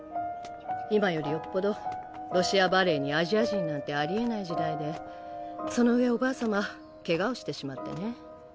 今よりよっぽどロシアバレエにアジア人なんてありえない時代でそのうえおばあ様ケガをしてしまってね。